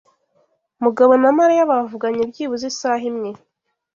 Mugabo na Mariya bavuganye byibuze isaha imwe.